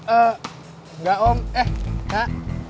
enggak om eh kak